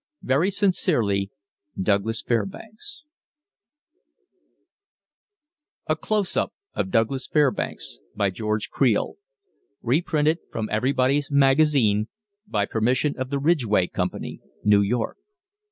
Very Sincerely Douglas Fairbanks A "CLOSE UP" OF DOUGLAS FAIRBANKS by George Creel Reprinted from Everybody's Magazine by Permission of The Ridgway Company, New York.